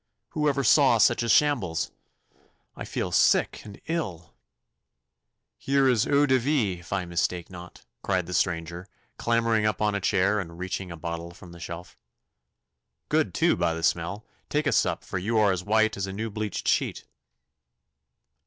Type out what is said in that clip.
'Who ever saw such a shambles? I feel sick and ill.' 'Here is eau de vie, if I mistake not,' cried the stranger, clambering up on a chair and reaching a bottle from the shelf. 'Good, too, by the smell. Take a sup, for you are as white as a new bleached sheet.